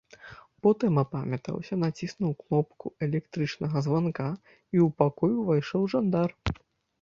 Потым апамятаўся, націснуў кнопку электрычнага званка, і ў пакой увайшоў жандар.